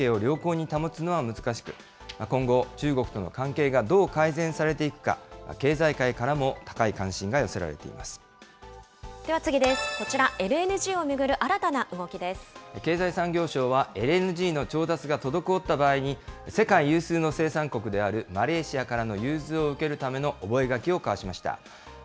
やはり政治の関係を悪化させたまま経済関係を良好に保つのは難しく、今後、中国との関係がどう改善されていくか、経済界からも高では次です、こちらＬＮＧを経済産業省は、ＬＮＧの調達が滞った場合に、世界有数の生産国であるマレーシアからの融通を受けるための覚書を交わしました。